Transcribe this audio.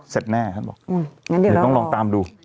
แน่ท่านบอกเดี๋ยวต้องลองตามดู